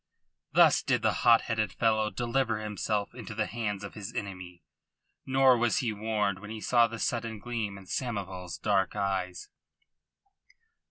Thus did the hot headed fellow deliver himself into the hands of his enemy. Nor was he warned when he saw the sudden gleam in Samoval's dark eyes.